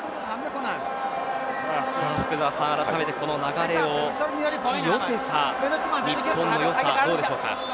福澤さん、あらためてこの流れを引き繰り寄せた日本の良さ、どうでしょうか。